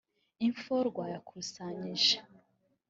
info rwayakusanyije